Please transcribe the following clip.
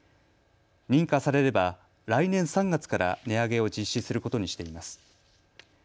認可されれば来年３月から値上げを実施することにしています。